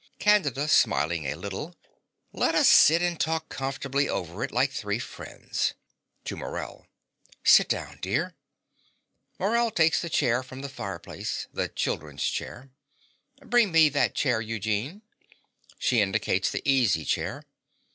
CANDIDA (smiling a little). Let us sit and talk comfortably over it like three friends. (To Morell.) Sit down, dear. (Morell takes the chair from the fireside the children's chair.) Bring me that chair, Eugene. (She indicates the easy chair.